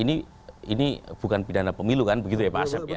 ini bukan pidana pemilu kan begitu ya pak asep ya